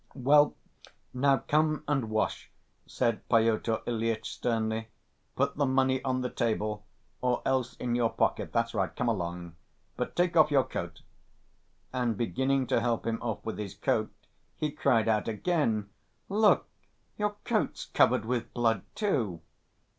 "Well, now come and wash," said Pyotr Ilyitch sternly. "Put the money on the table or else in your pocket.... That's right, come along. But take off your coat." And beginning to help him off with his coat, he cried out again: "Look, your coat's covered with blood, too!"